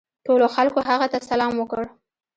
ټولو خلکو هغه ته سلام وکړ.